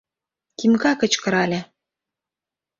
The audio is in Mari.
— Тимка кычкырале.